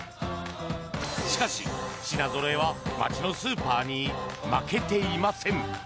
しかし、品ぞろえは街のスーパーに負けていません。